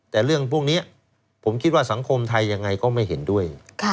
แต่เรื่องพวกนี้ผมคิดว่าสังคมไทยยังไงก็ไม่เห็นด้วย